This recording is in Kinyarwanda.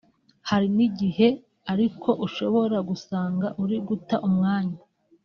hari n’igihe ariko ushobora gusanga uri guta umwanya